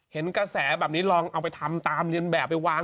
เห็นกระแสแบบนี้ลองเอาไปทำตามเรียนแบบไปวาง